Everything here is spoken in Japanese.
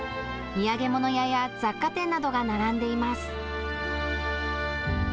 土産物屋や雑貨店などが並んでいます。